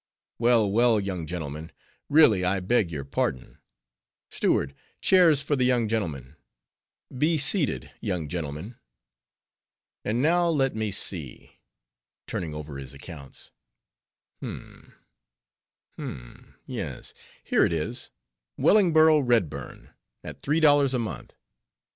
"Well, well, young gentleman, really I beg your pardon. Steward, chairs for the young gentlemen—be seated, young gentlemen. And now, let me see," turning over his accounts— "Hum, hum!—yes, here it is: Wellingborough Redburn, at three dollars a month.